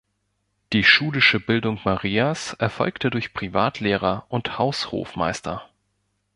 Die schulische Bildung Marias erfolgte durch Privatlehrer und Haushofmeister.